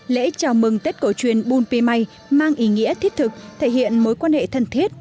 lễ chào mừng tết cổ truyền bùn pì mai mang ý nghĩa thiết thực thể hiện mối quan hệ thân thiết